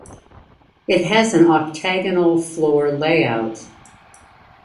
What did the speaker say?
It has an octagonal floor layout.